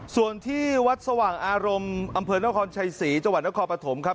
ส่วนที่วัดสว่างอารมณ์อำเภอนครชัยศรีจังหวัดนครปฐมครับ